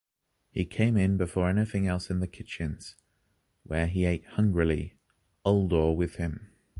He came in before anything else in the kitchens, where he ate hungrily, Uldor with him.